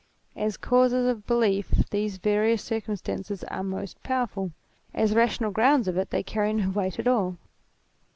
As causes of belief these various circumstances are most powerful. As rational grounds of it they carry no weight at all.